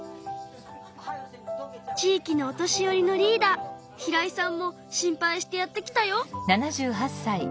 地域のお年寄りのリーダー平位さんも心配してやって来たよ。